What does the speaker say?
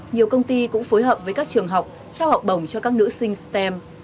nhiều công ty cũng phối hợp với các trường học trao học bổng cho các nữ sinh stem